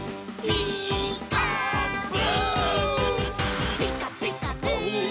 「ピーカーブ！」